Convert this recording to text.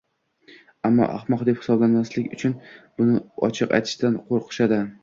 ammo ahmoq deb hisoblanmaslik uchun buni ochiq aytishdan qo‘rqishadi.